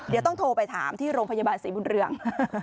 เดี๋ยวต้องโทรไปถามที่โรงพยาบาลศรีบุญเรือง